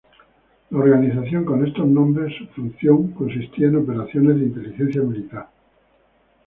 La organización con estos nombres su función consistía en operaciones de inteligencia militar.